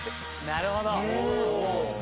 なるほど。